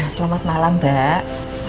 selamat malam mbak